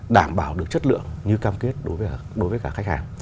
đảm bảo được chất lượng như cam kết đối với cả khách hàng